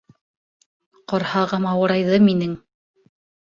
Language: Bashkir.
Ҡорһағым ауырайҙы минең.